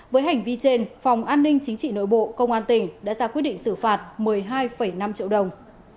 với hành vi trên phòng an ninh chính trị nội bộ công an tỉnh đã ra quyết định xử phạt một mươi hai năm triệu đồng